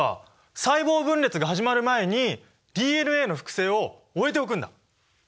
細胞分裂が始まる前にＤＮＡの複製を終えておくんだ。